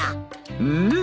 うん。